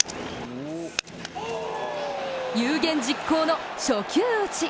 有言実行の初球打ち！